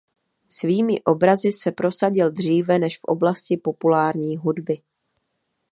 Svými obrazy se prosadil dříve než v oblasti populární hudby.